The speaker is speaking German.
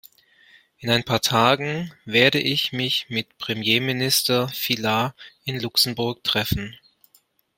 In ein paar Tagen werde ich mich mit Premierminister Filat in Luxemburg treffen.